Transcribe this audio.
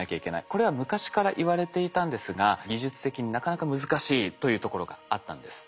これは昔からいわれていたんですが技術的になかなか難しいというところがあったんです。